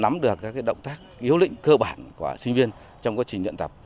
ngắm được các động tác yếu lĩnh cơ bản của sinh viên trong quá trình nhận tập